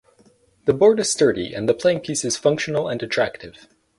The board is sturdy and the playing pieces functional and attractive.